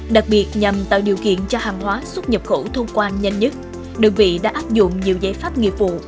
đặc biệt nhằm tạo điều kiện cho hàng hóa xuất nhập khẩu thông quan nhanh nhất đơn vị đã áp dụng nhiều giải pháp nghiệp vụ